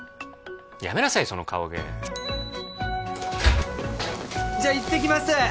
やめなさいその顔芸じゃあ行ってきます